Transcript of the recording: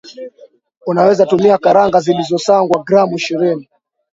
unaweza tumia karanga zilizosangwa gram ishirini